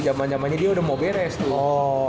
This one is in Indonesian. jaman jamannya dia udah mau beres tuh